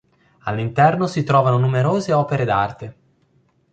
All'interno si trovano numerose opere d'arte.